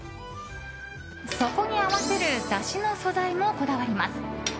そこに合わせるだしの素材もこだわります。